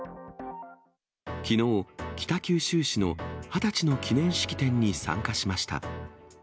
きのう、北九州市の二十歳の記念式典に参加しました。